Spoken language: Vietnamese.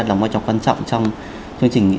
đóng quan trọng quan trọng trong chương trình